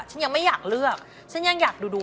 ฉันยังไม่อยากเลือกฉันยังอยากดูดู